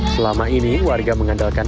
selama ini warga mengandalkan